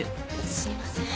すみません。